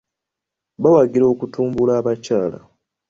Bawagira okutumbula abakyala.